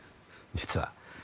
実は。